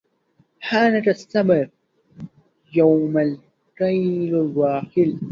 خانك الصبر يوم قيل الرحيل